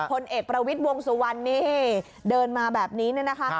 พลเอกประวิทย์วงสุวรรณนี่เดินมาแบบนี้เนี่ยนะคะ